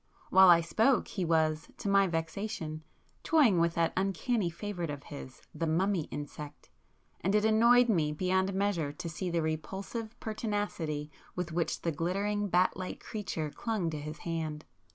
While I spoke he was, to my vexation, toying with that uncanny favourite of his, the 'mummy insect,'—and it annoyed me beyond measure to see the repulsive pertinacity with which the glittering bat like creature clung to his hand.